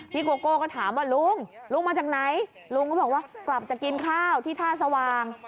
โกโก้ก็ถามว่าลุงลุงมาจากไหนลุงก็บอกว่ากลับจะกินข้าวที่ท่าสว่าง